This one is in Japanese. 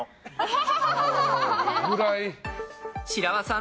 白輪さん